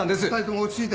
落ち着いて。